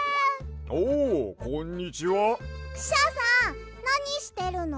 クシャさんなにしてるの？